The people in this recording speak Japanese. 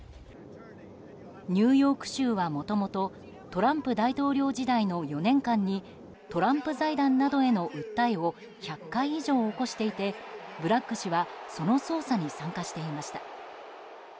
ニューヨーク州はもともとトランプ大統領時代の４年間にトランプ財団などへの訴えを１００回以上起こしていてブラッグ氏はその捜査に参加していました。